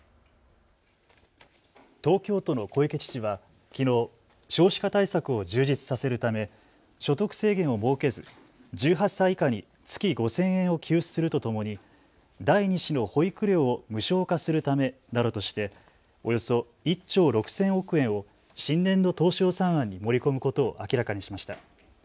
東京都の小池知事はきのう少子化対策を充実させるため所得制限を設けず１８歳以下に月５０００円を給付するとともに第２子の保育料を無償化するためなどとしておよそ１兆６０００億円を新年度当初予算案に盛り込むことを明らかにしました。